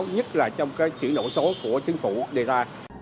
nhất là trong chuyển đổi số của chính phủ đề ta